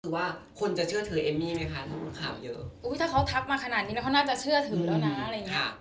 คือว่าคนจะเชื่อถือเอมมี่ไหมคะถ้าเขาถักมาขนาดนี้แล้วเขาน่าจะเชื่อถือแล้วนะ